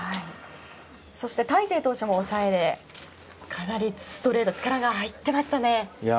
そして、大勢投手の抑えかなりストレート力が入ってましたね。